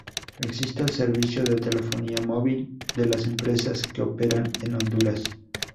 Existe el servicio de telefonía móvil de las empresas que operan en Honduras.